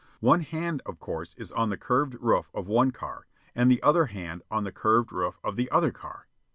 One hand, of course, is on the curved roof of one car, the other hand on the curved roof of the other car.